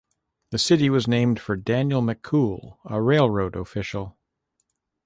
The city was named for Daniel McCool, a railroad official.